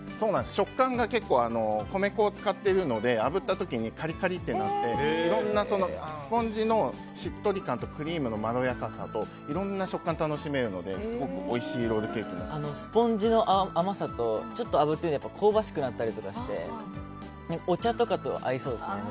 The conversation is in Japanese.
食感が、米粉を使っているのであぶった時にカリカリとなっていろんなスポンジのしっとり感とクリームのまろやかさといろんな食感が楽しめるのですごくおいしいスポンジの甘さとちょっとあぶってるので香ばしくなってたりしてお茶とかと合いそうですね。